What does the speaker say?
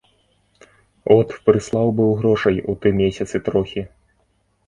От прыслаў быў грошай у тым месяцы трохі.